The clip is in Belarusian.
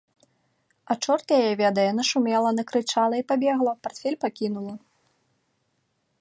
А чорт яе ведае, нашумела, накрычала і пабегла, партфель пакінула.